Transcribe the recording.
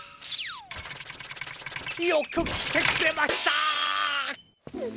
よくきてくれました！